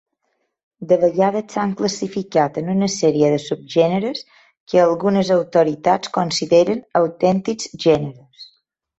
De vegades s'han classificat en una sèrie de subgèneres que algunes autoritats consideren autèntics gèneres.